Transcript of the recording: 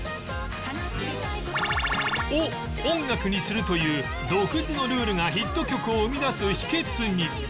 を音楽にするという独自のルールがヒット曲を生み出す秘訣に